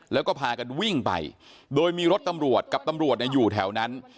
แล้วก็พากันวิ่งไปโดยมีรถตำรวจกับตำรวจอยู่แถวนั้น